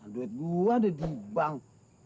duit gua deh di bank